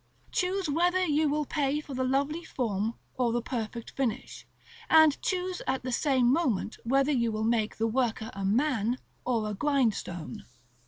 Choose whether you will pay for the lovely form or the perfect finish, and choose at the same moment whether you will make the worker a man or a grindstone.